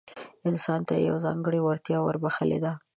انسان ته يې يوه ځانګړې وړتيا وربښلې ده.